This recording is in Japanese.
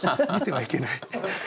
見てはいけない。